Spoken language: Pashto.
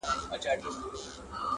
نن هغه ماشه د ورور پر لور كشېږي،